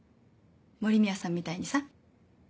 森宮さんみたいにさ。